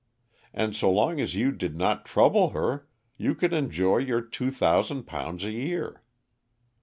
and so long as you did not trouble her, you could enjoy your two thousand pounds a year.